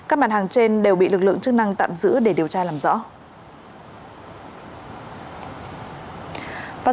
các mặt hàng trên đều bị lực lượng chức năng tạm giữ để điều tra làm rõ